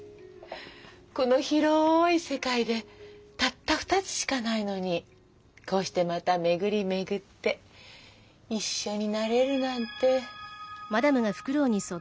この広い世界でたった２つしかないのにこうしてまた巡り巡って一緒になれるなんて。